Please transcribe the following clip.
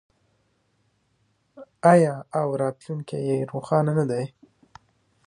آیا او راتلونکی یې روښانه نه دی؟